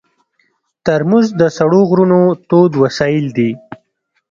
ترموز د سړو غرونو تود وسایل دي.